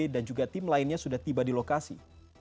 dan juga tim lainnya sudah tiba di lokasi